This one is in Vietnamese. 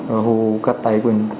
rồi hô cắt tay quên